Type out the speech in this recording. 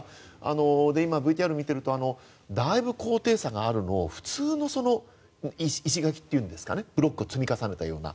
今ＶＴＲを見てるとだいぶ高低差があるのを普通の石垣というかブロックを積み重ねたような。